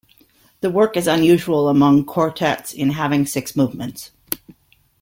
The work is unusual among quartets in having six movements.